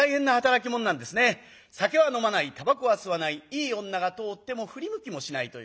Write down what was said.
酒は飲まないたばこは吸わないいい女が通っても振り向きもしないという。